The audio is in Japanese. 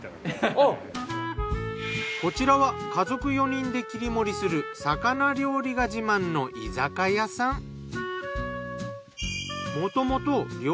こちらは家族４人で切り盛りする魚料理が自慢の居酒屋さん。